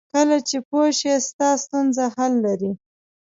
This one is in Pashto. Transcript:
کله چې پوه شې ستا ستونزه حل لري.